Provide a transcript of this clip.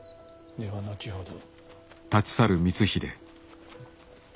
では後ほど。